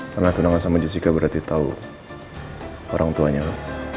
karena aku nangkas sama jessy berarti tau orang tuanya lo